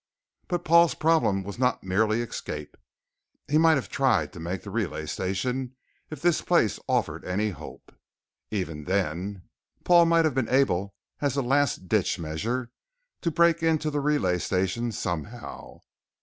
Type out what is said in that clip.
But Paul's problem was not merely escape. He might have tried to make the relay station if this place offered any hope. Even then, Paul might have been able as a last ditch measure, to break into the relay station somehow.